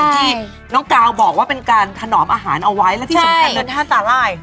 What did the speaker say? ที่น้องกาวบอกว่าเป็นการถนอมอาหารเอาไว้และที่สำคัญเดินห้าสาหร่าย